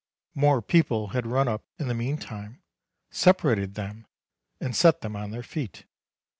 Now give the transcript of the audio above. More people had run up in the mean time, separated them and set them on their feet.